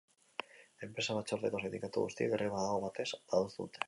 Enpresa batzordeko sindikatu guztiek greba aho batez adostu dute.